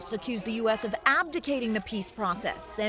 mengaku as mengabdikasi proses keamanan